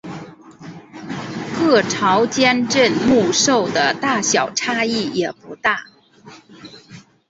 各朝间镇墓兽的大小差异也不大。